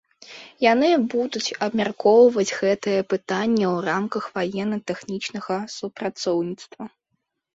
Яны будуць абмяркоўваць гэтае пытанне ў рамках ваенна-тэхнічнага супрацоўніцтва.